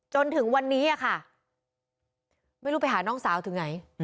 จนถึงวันนี้ค่ะไม่รู้ไปหาน้องสาวถึงไหน